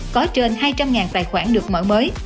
có trên hai trăm linh tài khoản được mở mới